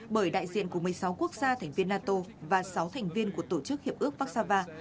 bởi đại diện của một mươi sáu quốc gia thành viên nato và sáu thành viên của tổ chức hiệp ước vác sava